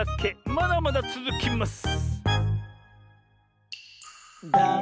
まだまだつづきます。